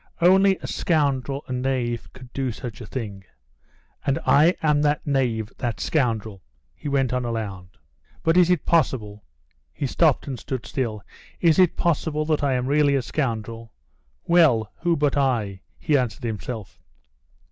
"Only a scoundrel, a knave, could do such a thing. And I am that knave, that scoundrel!" He went on aloud: "But is it possible?" he stopped and stood still "is it possible that I am really a scoundrel? ... Well, who but I?" he answered himself.